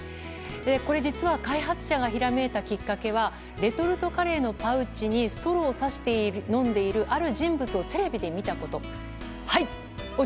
これ、実は開発者がひらめいたきっかけはレトルトカレーのパウチにストローをさして飲んでいる人物をテレビで見たこと。